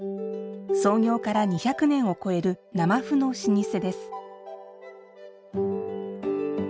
創業から２００年を超える生麩の老舗です。